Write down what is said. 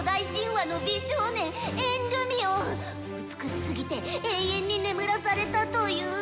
美しすぎて永遠に眠らされたという。